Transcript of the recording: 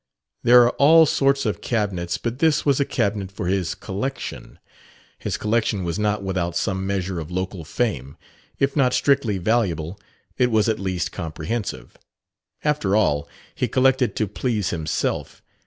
There are all sorts of cabinets, but this was a cabinet for his "collection." His collection was not without some measure of local fame; if not strictly valuable, it was at least comprehensive. After all, he collected to please himself.